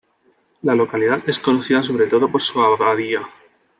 La localidad es conocida sobre todo por su abadía.